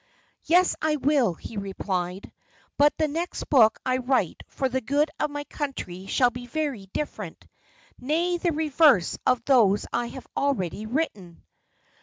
"Yes, I will," he replied; "but the next book I write for the good of my country shall be very different, nay the very reverse of those I have already written."